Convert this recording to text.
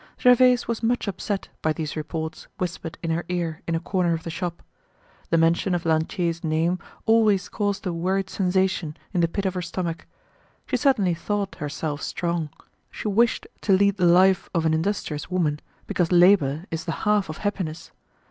Gervaise was much upset by these reports whispered in her ear in a corner of the shop. The mention of Lantier's name always caused a worried sensation in the pit of her stomach. She certainly thought herself strong; she wished to lead the life of an industrious woman, because labor is the half of happiness.